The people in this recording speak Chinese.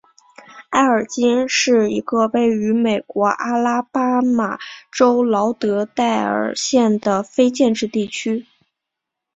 埃尔金是一个位于美国阿拉巴马州劳德代尔县的非建制地区。